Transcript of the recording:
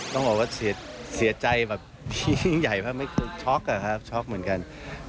ต้องบอกว่าเสียใจแบบที่ยิ่งใหญ่มากไม่เคยช็อกอะครับช็อกเหมือนกัน